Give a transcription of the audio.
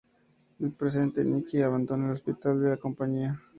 En el presente Niki abandona el hospital de La Compañía.